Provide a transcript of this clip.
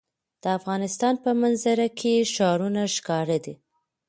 د افغانستان په منظره کې ښارونه ښکاره ده.